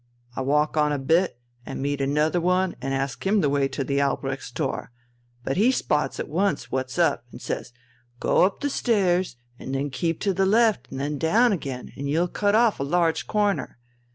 I walk on a bit and meet another one, and ask him the way to the Albrechtstor. But he spots at once what's up, and says: 'Go up the stairs, and then keep to the left and then down again, and you'll cut off a large corner!'